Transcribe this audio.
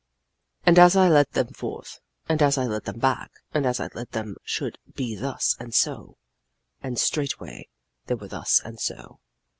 And I led them forth, and I led them back, and I said things should be thus and so, and straightway they were thus and so.